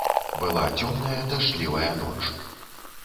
Была цёмная дажджлівая ноч.